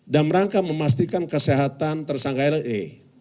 dan merangka memastikan kesehatan tersangka le